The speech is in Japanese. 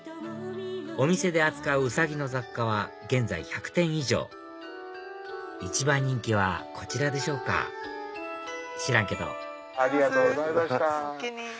お店で扱うウサギの雑貨は現在１００点以上一番人気はこちらでしょうか知らんけどありがとうございました。